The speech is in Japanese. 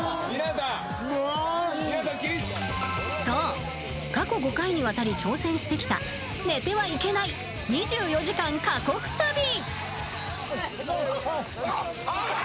そう、過去５回にわたり挑戦してきた寝てはいけない２４時間過酷旅。